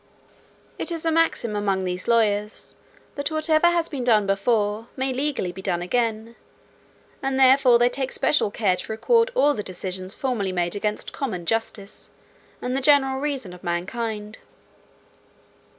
"It is a maxim among these lawyers that whatever has been done before, may legally be done again: and therefore they take special care to record all the decisions formerly made against common justice, and the general reason of mankind.